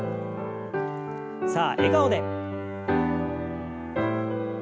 さあ笑顔で。